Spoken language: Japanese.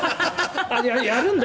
やるんだ？